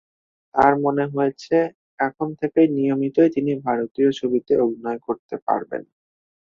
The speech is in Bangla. তাঁর মনে হয়েছে, এখন থেকে নিয়মিতই তিনি ভারতীয় ছবিতে অভিনয় করতে পারবেন।